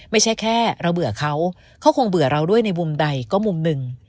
ไม่ใช่แค่เราเบื่อเขาเขาคงเบื่อเราด้วยในมุมใดก็มุมหนึ่ง